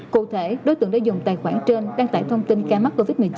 cụ thể đối tượng đã dùng tài khoản trên đăng tải thông tin ca mắc covid một mươi chín